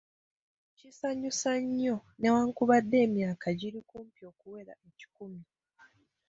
Kisanyusa nnyo, newakubadde emyaka giri kumpi okuwera ekikumi.